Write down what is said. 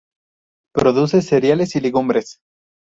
Produce cereales y legumbres.